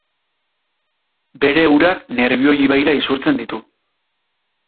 Bere urak Nerbioi ibaira isurtzen ditu.